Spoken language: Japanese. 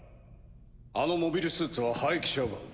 あのモビルスーツは廃棄処分。